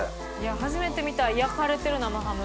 初めて見た焼かれてる生ハム。